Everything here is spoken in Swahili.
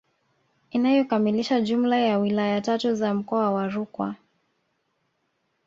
Inayokamilisha jumla ya wilaya tatu za mkoa wa Rukwa